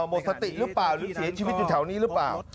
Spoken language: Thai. หมดสติหรือเปล่าหรือเสียชีวิตอยู่แถวนี้หรือเปล่า